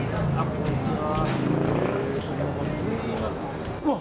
こんにちは。